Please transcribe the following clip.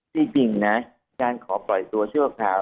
จริงนะการขอปล่อยตัวชั่วคราว